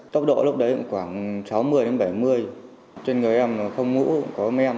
tốc độ lúc đấy khoảng sáu mươi bảy mươi trên người em không ngủ có mê em